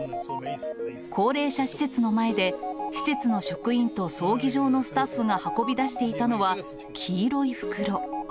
高齢者施設の前で施設の職員と葬儀場のスタッフが運び出していたのは、黄色い袋。